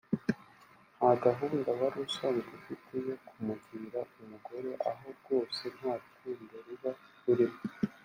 nta gahunda wari usanzwe ufite yo kumugira umugore aho rwose nta rukundo ruba rurimo